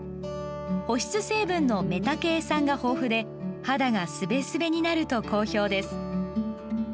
保湿成分のメタケイ酸が豊富で肌がすべすべになると好評です。